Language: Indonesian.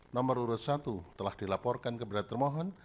nomor urut satu telah dilaporkan kepada termohon